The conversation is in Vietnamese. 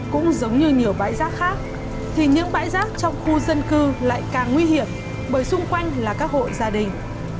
cũng giống như nhiều bãi rác khác thì những bãi rác trong khu dân cư lại càng nguy hiểm bởi xung quanh là các hộ gia đình